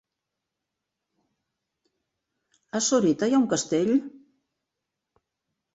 A Sorita hi ha un castell?